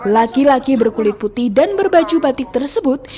laki laki berkulit putih dan berbaju batik tersebut